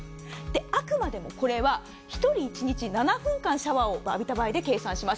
あくまでもこれは、１人一日７分間シャワーを浴びた場合の計算です。